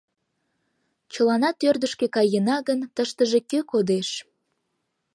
Чыланат ӧрдыжкӧ каена гын, тыштыже кӧ кодеш?